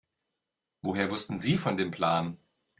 Woher wussten Sie von dem Plan?